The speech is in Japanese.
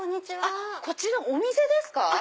こちらお店ですか？